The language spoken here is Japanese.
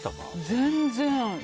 全然。